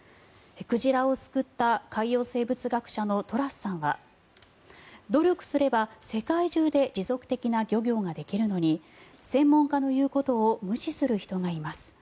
鯨を救った海洋生物学者のトラスさんは努力すれば世界中で持続的な漁業ができるのに専門家の言うことを無視する人がいます。